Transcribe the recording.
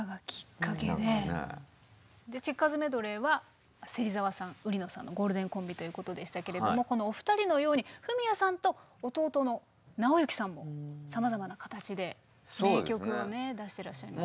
でチェッカーズメドレーは芹澤さん売野さんのゴールデンコンビということでしたけれどもこのお二人のようにフミヤさんと弟の尚之さんもさまざまな形で名曲をね出してらっしゃいます。